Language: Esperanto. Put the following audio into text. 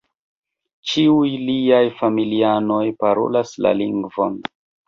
Ĉiuj liaj familianoj parolas la lingvon.